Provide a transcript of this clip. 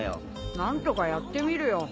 何とかやってみるよ。